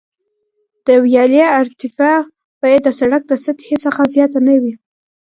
د ویالې ارتفاع باید د سرک د سطحې څخه زیاته نه وي